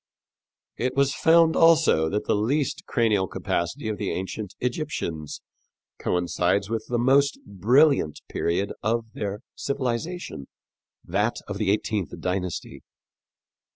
It was found also that the least cranial capacity of the ancient Egyptians coincides with the most brilliant period of their civilization that of the eighteenth dynasty.